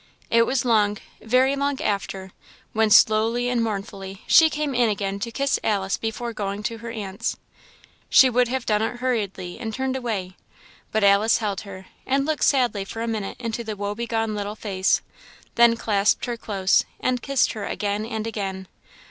It was long, very long after, when slowly and mournfully she came in again to kiss Alice before going back to her aunt's. She would have done it hurriedly and turned away; but Alice held her, and looked sadly for a minute into the woe begone little face, then clasped her close, and kissed her again and again.